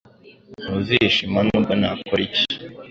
Ntuzishima nubwo nakora iki